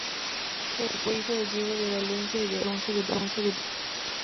Fue hijo de Diego de Valencia y de Aldonza de Bracamonte.